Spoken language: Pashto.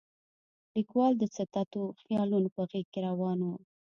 لیکوال د څه تتو خیالونه په غېږ کې راون و.